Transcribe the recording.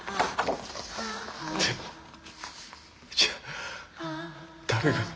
でもじゃあ誰が。